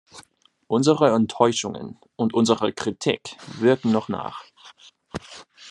Unsere Enttäuschungen und unsere Kritik wirken noch nach.